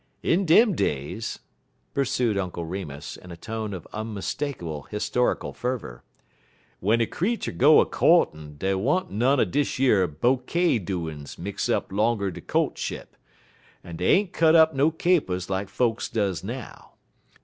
"In dem days," pursued Uncle Remus, in a tone of unmistakable historical fervor, "w'en a creetur go a courtin' dey wa'n't none er dish yer bokay doin's mix' up 'longer der co'tship, en dey ain't cut up no capers like folks does now.